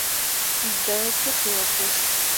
ده ټوخي واخيست.